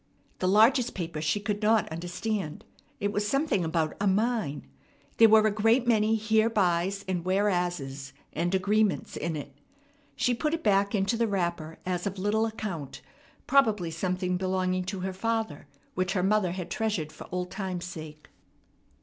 The largest paper she could not understand. It was something about a mine. There were a great many "herebys" and "whereases" and "agreements" in it. She put it back into the wrapper as of little account, probably something belonging to her father, which her mother had treasured for old time's sake.